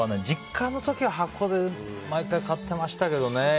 実家の時は箱で毎回買ってましたけどね。